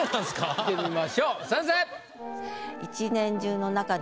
・聞いてみましょう先生。